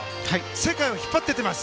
世界を引っ張って行っています。